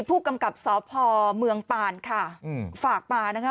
ผู้กำกับสพเมืองปานฝากป่าวนะคะ